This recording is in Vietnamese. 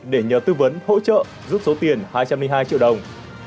để nhờ tư vấn hỗ trợ giúp số tiền hai trăm linh hai triệu đồng